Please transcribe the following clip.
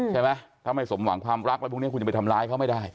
ใช่ไหมถ้าไม่สมหวังความรักแล้วพวกนี้คุณจะไปทำร้ายเขาไม่ได้